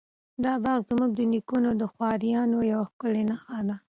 دا باغ زموږ د نیکونو د خواریو یوه ښکلې نښه ده.